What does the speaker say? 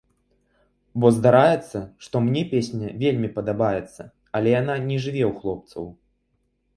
Бо здараецца, што мне песня вельмі падабаецца, але яна не жыве ў хлопцаў!